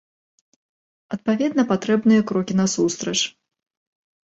Адпаведна, патрэбныя крокі насустрач.